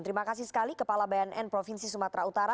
terima kasih sekali kepala bnn provinsi sumatera utara